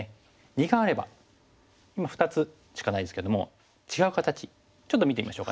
二眼あれば今２つしかないですけども違う形ちょっと見てみましょうかね。